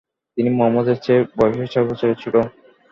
তিনি মুহাম্মাদ এর চেয়ে বয়সে ছয় বছরের ছোট।